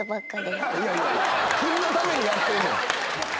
君のためにやってんねん。